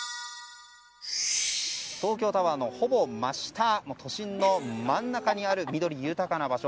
東京タワーのほぼ真下の都心の真ん中にある緑豊かな場所。